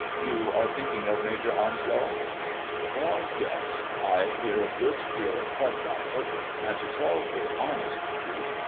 You are thinking of Major Onslow 1 "" Well, yes ! I hear a good deal of club gossip, and, to 3II the honest truth.